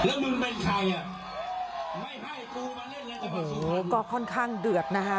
แล้วมึงเป็นใครอ่ะไม่ให้กูมาเล่นโอ้โหก็ค่อนข้างเดือดนะฮะ